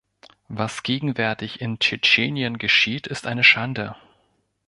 Was gegenwärtig in Tschetschenien geschieht, ist eine Schande.